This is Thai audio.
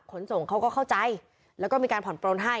ขนส่งเขาก็เข้าใจแล้วก็มีการผ่อนปลนให้